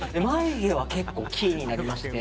眉毛は結構キーになりまして。